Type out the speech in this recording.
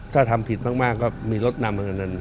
ถ้าทำผิดมากก็มีรถนำเงิน